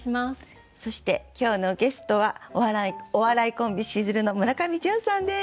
そして今日のゲストはお笑いコンビしずるの村上純さんです。